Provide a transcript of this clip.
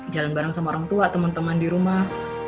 jalan bareng sama orang tua teman teman di rumah